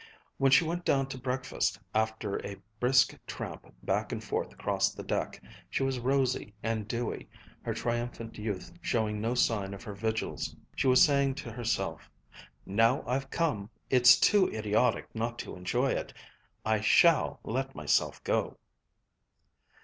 When she went down to breakfast, after a brisk tramp back and forth across the deck, she was rosy and dewy, her triumphant youth showing no sign of her vigils. She was saying to herself: "Now I've come, it's too idiotic not to enjoy it. I shall let myself go!"